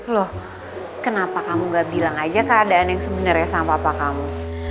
loh kenapa kamu gak bilang aja keadaan yang sebenarnya sama papa kamu